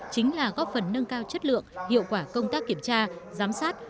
chính là góp phần nâng cao chất lượng hiệu quả công tác kiểm tra giám sát